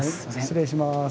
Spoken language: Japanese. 失礼します。